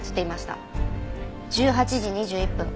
１８時２１分。